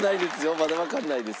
まだわかんないです。